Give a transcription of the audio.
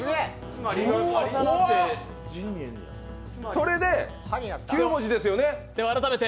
それで、９文字ですよね。